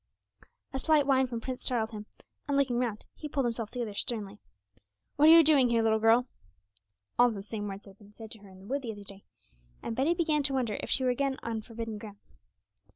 A slight whine from Prince startled him, and looking round he pulled himself together sternly. 'What are you doing here, little girl?' Almost the same words that had been said to her in the wood the other day; and Betty began to wonder if she were again on forbidden ground.